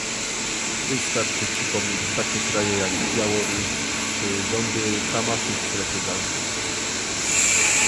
Wystarczy przypomnieć takie kraje jak Białoruś czy rządy Hamasu w Strefie Gazy